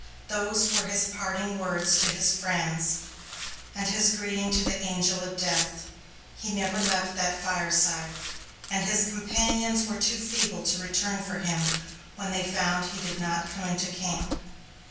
Those were his parting words to his friends, and his greeting to the Angel of Death. He never left that fireside, and his companions were too feeble to return for him when they found he did not come into camp.